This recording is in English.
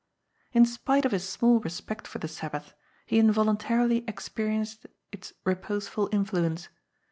In spite of his small respect for the Sabbath, he invol untarily experienced its reposeful influence.